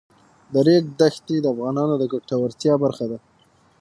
د ریګ دښتې د افغانانو د ګټورتیا برخه ده.